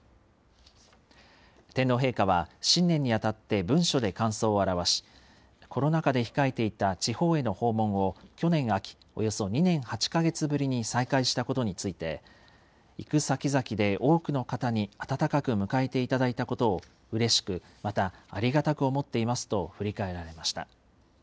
天皇陛下は、新年に当たって文書で感想を表し、コロナ禍で控えていた地方への訪問を去年秋、およそ２年８か月ぶりに再開したことについて、行く先々で多くの方に温かく迎えていただいたことをうれしく、またありがたく思っていますと振り返られました。